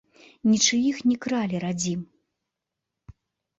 Нічыіх не кралі радзім.